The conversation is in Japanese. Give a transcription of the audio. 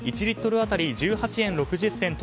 １リットル当たり１８円６０銭